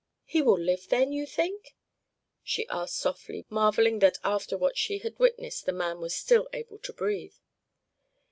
"He will live, then, you think?" she asked softly, marveling that after what she had witnessed the man was still able to breathe.